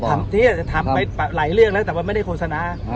ทำมารายเรื่องแล้วแต่ไม่ได้โฆษณา